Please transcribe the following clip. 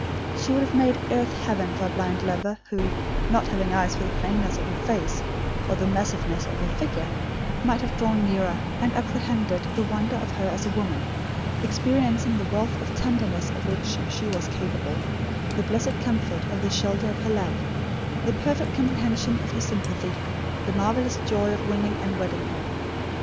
She would have made earth heaven for a blind lover who, not having eyes for the plainness of her face or the massiveness of her figure, might have drawn nearer, and apprehended the wonder of her as a woman, experiencing the wealth of tenderness of which she was capable, the blessed comfort of the shelter of her love, the perfect comprehension of her sympathy, the marvellous joy of winning and wedding her.